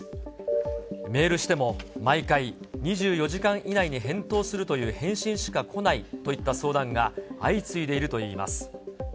メールしても、毎回２４時間以内に返答するという返信しか来ないといった相談が相次いでいるといいます。